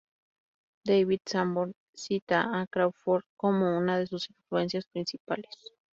David Sanborn cita a Crawford como una de sus influencias principales.